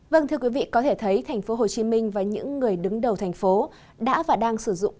vâng thưa quý vị có thể thấy tp hcm và những người đứng đầu thành phố đã và đang sử dụng